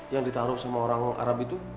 yang ditaruh sama orang arab itu